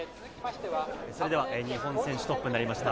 日本選手トップになりました